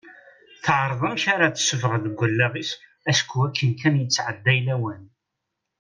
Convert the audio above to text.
Teɛreḍ amek ara tessuffeɣ deg wallaɣ-is acku akken kan yettɛedday lawan.